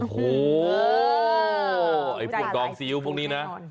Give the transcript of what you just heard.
โอ้โหไอ้พวกดองซีอิ๊วพวกนี้นะ